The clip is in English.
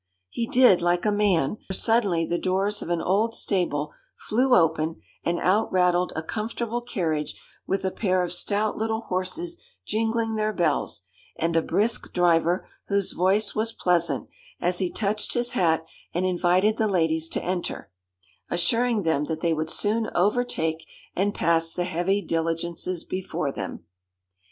He did like a man; for suddenly the doors of an old stable flew open, and out rattled a comfortable carriage with a pair of stout little horses jingling their bells, and a brisk driver, whose voice was pleasant, as he touched his hat and invited the ladies to enter, assuring them that they would soon overtake and pass the heavy diligences before them.